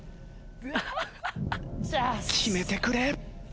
決めてくれ。